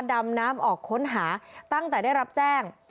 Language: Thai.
ดำน้ำออกค้นหาตั้งแต่ได้รับแจ้ง